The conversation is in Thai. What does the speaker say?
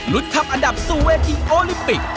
รุ่นขับอันดับสู่เวทีโอลิปิก